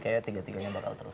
kayak tiga tiganya bakal terus